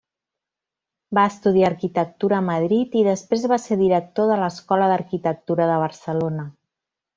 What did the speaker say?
Va estudiar arquitectura a Madrid i després va ser director de l'Escola d'Arquitectura de Barcelona.